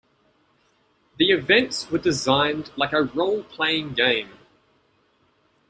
The events were designed like a role-playing game.